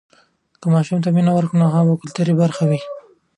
که ماشوم ته مینه ورکړو، نو هغه به د کلتور برخه وي.